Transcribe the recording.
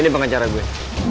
ini pengacara gue